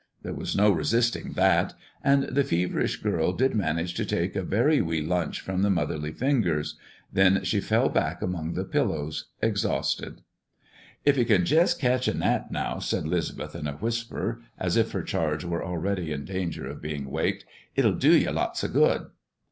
There was no resisting that, and the feverish girl did manage to take a very wee lunch from the motherly fingers. Then she fell back among the pillows, exhausted. "If ye can jest ketch a nap now," said 'Lisbeth in a whisper, as if her charge were already in danger of being waked, "it'll do ye lots of good."